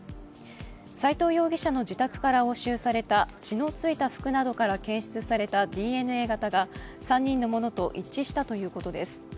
斉藤容疑者の自宅から押収された血のついた服などから検出されたＤＮＡ型が３人のものと一致したということです。